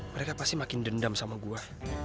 mereka pasti makin dendam sama gue